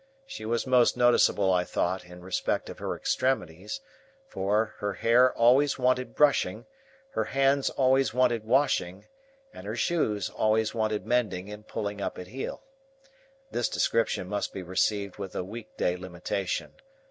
She was most noticeable, I thought, in respect of her extremities; for, her hair always wanted brushing, her hands always wanted washing, and her shoes always wanted mending and pulling up at heel. This description must be received with a week day limitation.